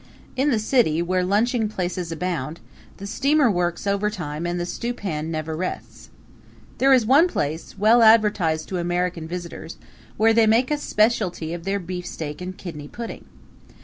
In the City, where lunching places abound, the steamer works overtime and the stewpan never rests. There is one place, well advertised to American visitors, where they make a specialty of their beefsteak and kidney pudding.